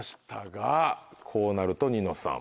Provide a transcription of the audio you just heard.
こうなるとニノさん。